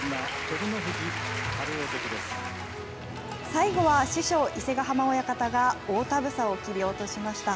最後は師匠、伊勢ヶ濱親方が大たぶさを切り落としました。